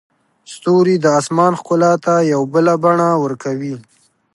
ستوري د اسمان ښکلا ته یو بله بڼه ورکوي.